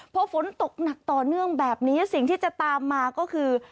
พอฝนตกหนักต่อเนื่องแบบนี้สิ่งที่จะตามมาก็คือ